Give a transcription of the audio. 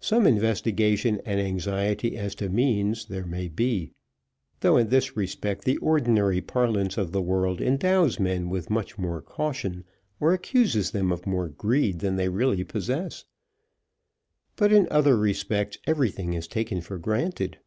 Some investigation and anxiety as to means there may be, though in this respect the ordinary parlance of the world endows men with more caution, or accuses them of more greed than they really possess. But in other respects everything is taken for granted.